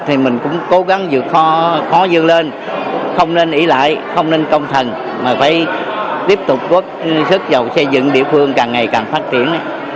thì mình cũng cố gắng dựa khó dương lên không nên ý lại không nên công thần mà phải tiếp tục có sức giàu xây dựng địa phương càng ngày càng phát triển